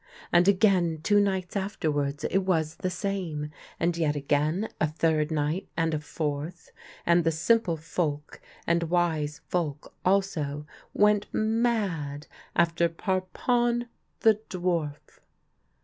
And again two nights afterwards it was the same, and yet again a third night and a fourth, and the simple folk, and wise folk also, went mad after Parpon the dwarf.